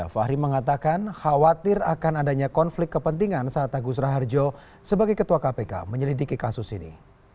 fahri mengatakan khawatir akan adanya konflik kepentingan saat agus raharjo sebagai ketua kpk menyelidiki kasus ini